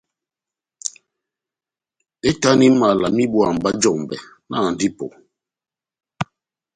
Ehitani mala má ivaha ibúwa mba jɔmbɛ, nahandi ipɔ !